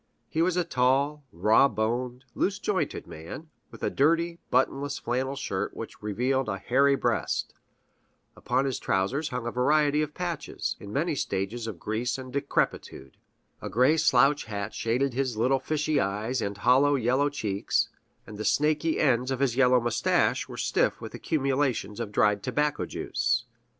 He was a tall, raw boned, loose jointed young man, with a dirty, buttonless flannel shirt which revealed a hairy breast; upon his trousers hung a variety of patches, in many stages of grease and decrepitude; a gray slouch hat shaded his little fishy eyes and hollow, yellow cheeks; and the snaky ends of his yellow mustache were stiff with accumulations of dried tobacco juice.